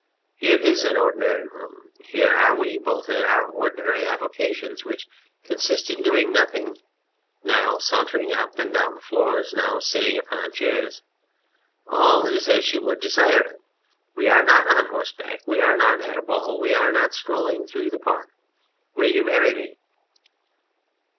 Here is an ordinary room, here are we both at our ordinary avocations, which consist in doing nothing, now sauntering up and down the floors, now sitting upon chairs ; all is as you would desire it. We are not on horseback, we are not at a ball, we are not strolling through the park. Will you marry me